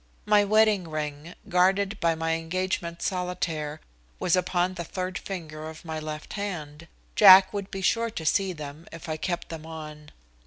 My wedding ring, guarded by my engagement solitaire, was upon the third finger of my left hand. Jack would be sure to see them if I kept them on.